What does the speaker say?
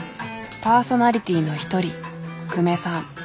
パーソナリティーの一人久米さん。